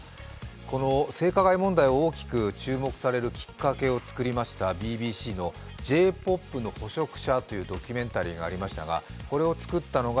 この性加害問題を大きく注目されるきっかけを作りましたＢＢＣのＪ−ＰＯＰの捕食者というドキュメンタリーがありましたがこれを作ったのが